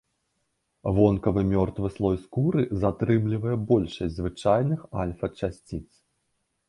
Вонкавы мёртвы слой скуры затрымлівае большасць звычайных альфа-часціц.